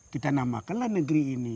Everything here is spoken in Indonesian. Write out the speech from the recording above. kita namakanlah negeri ini